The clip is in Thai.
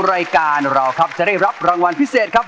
รายการเราครับจะได้รับรางวัลพิเศษครับ